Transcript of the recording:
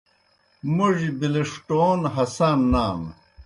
موڙیْ بِلِݜٹَون ہسان نان۔